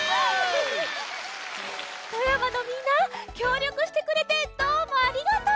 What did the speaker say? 富山のみんなきょうりょくしてくれてどうもありがとう！